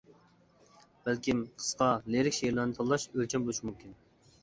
بەلكىم، قىسقا، لىرىك شېئىرلارنى تاللاش ئۆلچەم بولۇشى مۇمكىن.